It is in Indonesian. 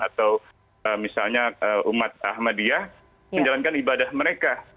atau misalnya umat ahmadiyah menjalankan ibadah mereka